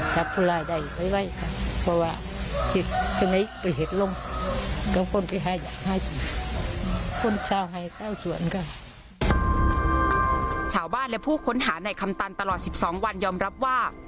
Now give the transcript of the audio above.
ชาวบ้านและผู้ค้นหาในคำตันตลอด๑๒วันยอมรับว่า